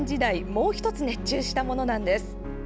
もう１つ熱中したものなんです。